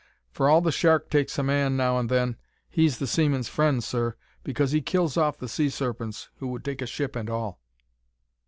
For all the shark takes a man now and then, he's the seaman's friend, sir, because he kills off the sea serpents who would take ship and all.'